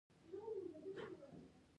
غول د بدن د منځ خبروالی دی.